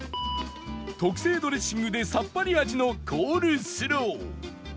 特製ドレッシングでさっぱり味のコールスロー